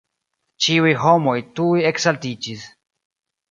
Ĉiuj homoj tuj ekzaltiĝis.